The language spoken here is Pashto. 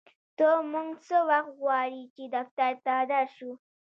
ته مونږ څه وخت غواړې چې دفتر ته در شو